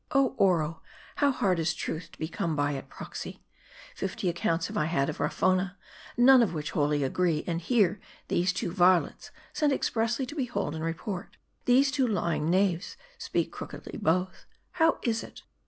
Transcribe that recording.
Oh Oro ! how hard is truth to be come at by proxy ! Fifty accounts have I had of Hafona ; none of which wholly agreed ; and here, these two varlets, sent expressly to behold and report, these two lying knaves, speak crookedly both. How is it